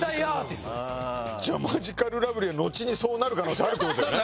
じゃあマヂカルラブリーはのちにそうなる可能性あるって事だよね。